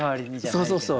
そうそうそう。